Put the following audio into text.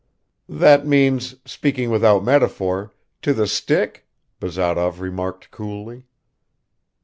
"That means, speaking without metaphor, to that stick?" Bazarov remarked coolly.